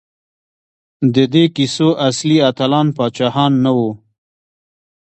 د دې کیسو اصلي اتلان پاچاهان نه وو.